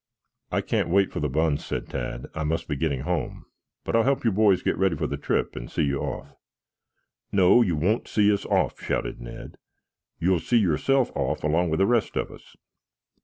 "I can't wait for the buns," said Tad. "I must be getting home, but I will help you boys get ready for the trip and see you off." "No, you won't see us off," shouted Ned. "You will see yourself off along with the rest of us."